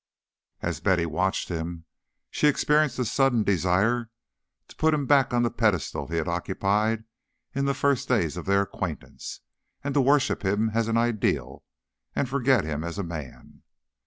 As Betty watched him, she experienced a sudden desire to put him back on the pedestal he had occupied in the first days of their acquaintance, and to worship him as an ideal and forget him as a man.